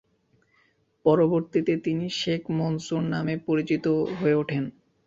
পরবর্তীতে তিনি শেখ মনসুর নামে পরিচিত হয়ে উঠেন।